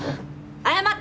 謝って！